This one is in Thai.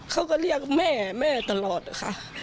เขาก็เรียกแม่แม่ตลอดค่ะ